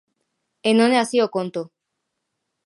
E non é así o conto.